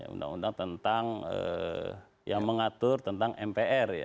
undang undang yang mengatur tentang mpr